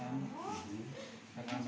karena memang merasa